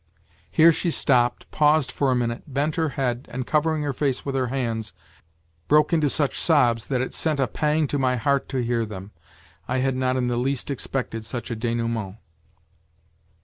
Here she stopped, paused for a minute, bent her head, and covering her face with her hands broke into such sobs that it sent a pang to my heart to hear them. I had not in the least expected such a denouement.